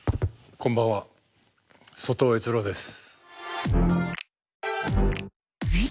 こんばんは外尾悦郎です。